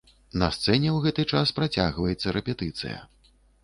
На сцэне ў гэты час працягваецца рэпетыцыя.